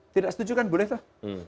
tidak setujukan boleh tuh